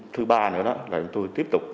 thứ ba nữa là tôi tiếp tục